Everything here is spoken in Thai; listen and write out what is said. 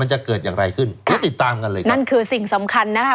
จะเกิดอย่างไรขึ้นเดี๋ยวติดตามกันเลยครับนั่นคือสิ่งสำคัญนะคะ